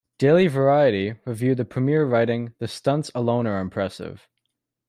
"Daily Variety" reviewed the premiere writing, "The stunts alone are impressive.